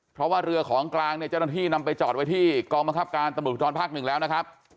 เพราะว่าเรือของกลางเนี่ยเจ้าหน้าที่นำไปจอดไว้ที่กองบังคับการตำรวจภูทรภาคหนึ่งแล้วนะครับ